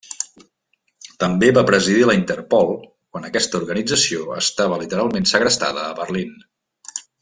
També va presidir la Interpol quan aquesta organització estava literalment segrestada a Berlín.